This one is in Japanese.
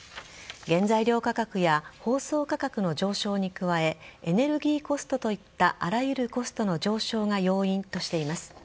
原材料価格や包装価格の上昇に加えエネルギーコストといったあらゆるコストの上昇が要因としています。